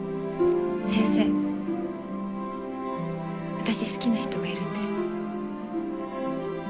私好きな人がいるんです。